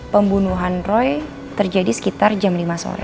pembunuhan roy terjadi sekitar jam lima sore